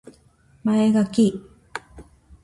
ぺこーらいつもありがとう。